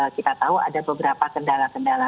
kita tahu ada beberapa kendala kendala